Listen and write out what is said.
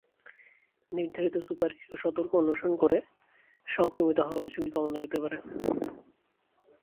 নির্ধারিত সুপারিশ ও সতর্ক অনুসরণ করে সংক্রমিত হওয়ার ঝুঁকি কমানো যেতে পারে।